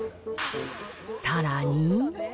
さらに。